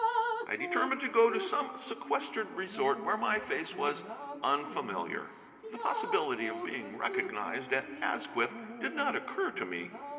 I determined to go to some sequestered resort where my face was unfamiliar. The possibility of being recognized at Asquith did not occur to me.